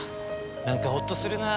なんかホッとするな。